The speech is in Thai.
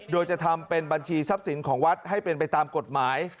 โดยจะทำเป็นบัญชีทรัพย์สินของวัดให้เป็นไปตามกฎหมาย